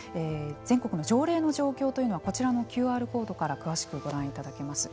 全国の条例の状況というのはこちらのＱＲコードから詳しくご覧いただけます。